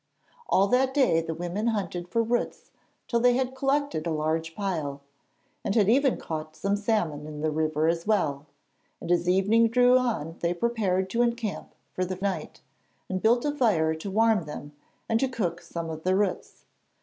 All that day the women hunted for roots till they had collected a large pile, and had even caught some salmon in the river as well, and as evening drew on they prepared to encamp for the night, and built a fire to warm them and to cook some of the roots.